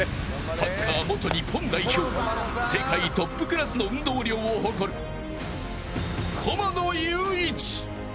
サッカー元日本代表世界トップクラスの運動量を誇る駒野友一。